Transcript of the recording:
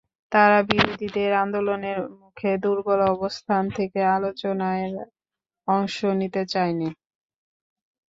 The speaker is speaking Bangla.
তারা বিরোধীদের আন্দোলনের মুখে দুর্বল অবস্থান থেকে আলোচনায় অংশ নিতে চায়নি।